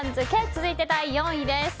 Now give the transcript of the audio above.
続いて第４位です。